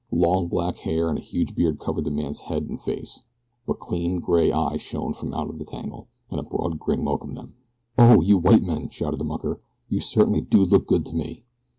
Long black hair, and a huge beard covered the man's head and face, but clean gray eyes shone from out of the tangle, and a broad grin welcomed them. "Oh, you white men!" shouted the mucker. "You certainly do look good to me."